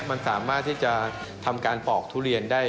มันสามารถที่จะทำการปอกทุเรียนได้